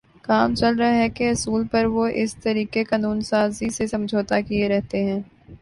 کام چل رہا ہے کے اصول پر وہ اس طریقِ قانون سازی سے سمجھوتاکیے رہتے ہیں